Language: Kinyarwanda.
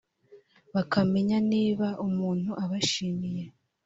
bakamenya niba umuntu abashimiye